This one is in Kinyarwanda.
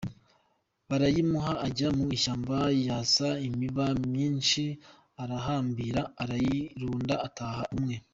Barayimuha, ajya mu ishyamba yasa imiba myinshi arahambira arayirunda atahana umwe.